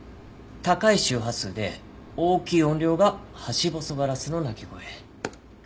高い周波数で大きい音量がハシボソガラスの鳴き声。